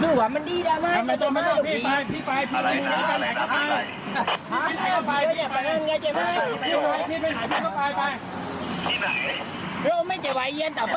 ไปเย็นต่อบ้านเดี๋ยวแพ้เนี่ยไม่ใช่เนี่ย